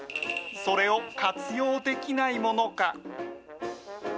それを活用できないものか。